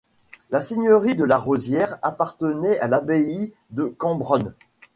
La seigneurie de la Rosière appartenait à l’abbaye de Cambron.